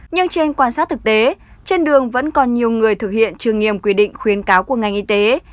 nhưng trên quan sát thực tế trên đường vẫn còn nhiều người thực hiện trường nghiêm quy định khuyến cáo của ngành y tế